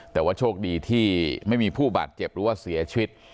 แต่ว่าโชคดีที่ไม่มีผู้บาดเจ็บหรือว่าเสียชีวิต